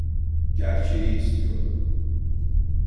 Gerçeği istiyorum.